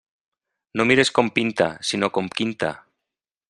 No mires com pinta, sinó com quinta.